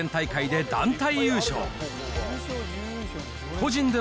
個人で？